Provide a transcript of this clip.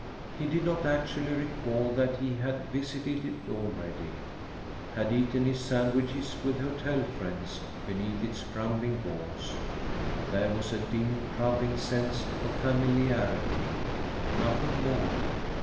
He did not actually recall that he had visited it already, had eaten his sandwiches with "hotel friends" beneath its crumbling walls; but there was a dim troubling sense of familiarity nothing more.